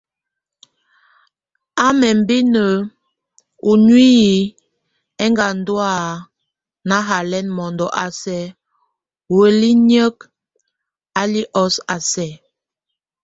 A nembin o nuíyik, eŋgandó nahalɛn mondo a sɛk hueliniek, a li os a sɛk.